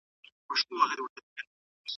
ډاکټر سپارښتنې باید په غذايي رژیم کې پلي شي.